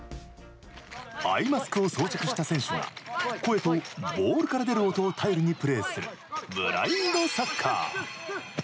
アイマスクを装着した選手が声とボールから出る音を頼りにプレーするブラインドサッカー。